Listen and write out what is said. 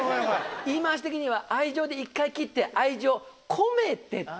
言い回し的には「愛情」で１回切って「愛情込めて」って。